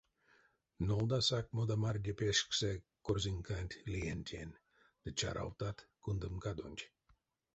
Нолдасак модамарде пешксе корзинканть леентень ды чаравтат кундамкадонть.